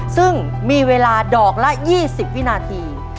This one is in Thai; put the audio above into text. ซึ่งมีเวลาดอกละ๒๐วินาที